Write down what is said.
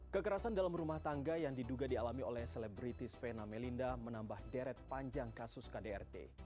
kekerasan dalam rumah tangga yang diduga dialami oleh selebritis vena melinda menambah deret panjang kasus kdrt